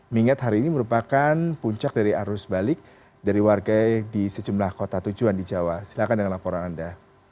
mengingat hari ini merupakan puncak dari arus balik dari warga di sejumlah kota tujuan di jawa silakan dengan laporan anda